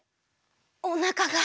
おなかが。